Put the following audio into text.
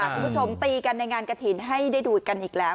ตีกันในงานกระถิ่นให้ได้ดูกันอีกแล้ว